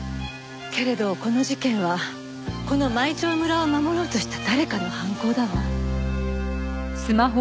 けれどこの事件はこの舞澄村を守ろうとした誰かの犯行だわ。